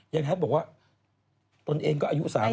ยังแทนบอกว่าตนเองก็อายุ๓๐แล้ว